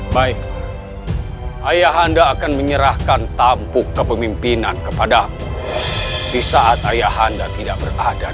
baik ayahanda akan menyerahkan tampuk kepemimpinan kepadamu di saat ayahanda tidak berada di istana